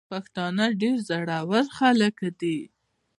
پښتانه ډير زړه ور خلګ دي.